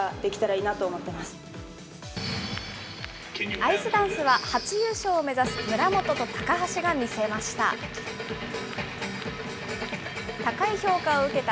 アイスダンスは、初優勝を目指す村元と高橋が見せました。